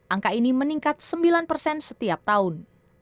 angka ini meningkat sembilan persen setiap tahun